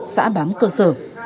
xã bám cơ sở